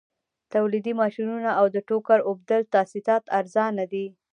تولیدي ماشینونه او د ټوکر اوبدلو تاسیسات ارزانه دي